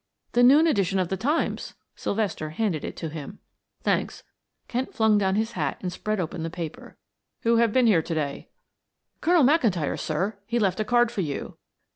"The noon edition of the Times." Sylvester handed it to him. "Thanks," Kent flung down his hat and spread open the paper. "Who have been here to day?" "Colonel McIntyre, sir; he left a card for you."